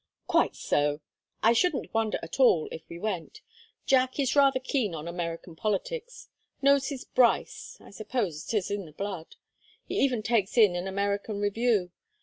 "Quite so. I shouldn't wonder at all if we went. Jack is rather keen on American politics, knows his Bryce I suppose it is in the blood. He even takes in an American Review.